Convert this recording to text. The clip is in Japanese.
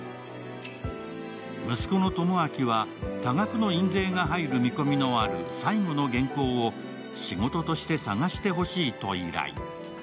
息子の朋晃は、多額の印税が入る見込みのある最後の原稿を仕事として探してほしいと依頼。